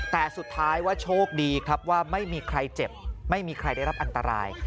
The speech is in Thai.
แต่สุดท้ายว่าโชคดีครับว่าไม่มีใครเจ็บไม่มีใครได้รับอันตราย